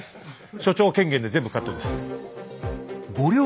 所長権限で全部カットです。